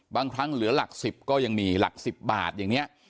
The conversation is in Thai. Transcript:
บางครั้งเหลือหลัก๑๐ก็ยังมีหลัก๑๐บาทอย่างนี้